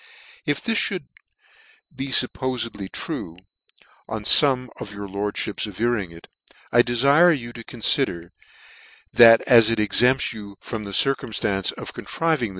" If this mould be fuppofed true, on fome of your lordfhips averring it, I defire you to confider, that as it exempts you from the circumftance of contriving